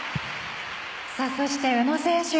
そして宇野選手。